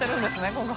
ここ。